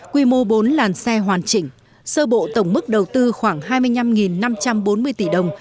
quy mô bốn làn xe hoàn chỉnh sơ bộ tổng mức đầu tư khoảng hai mươi năm năm trăm bốn mươi tỷ đồng